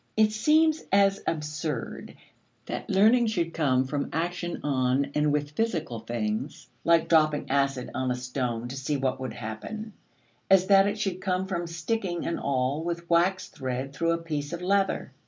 It seems as absurd that learning should come from action on and with physical things, like dropping acid on a stone to see what would happen, as that it should come from sticking an awl with waxed thread through a piece of leather.